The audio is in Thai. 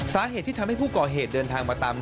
สาเหตุที่ทำให้ผู้ก่อเหตุเดินทางมาตาม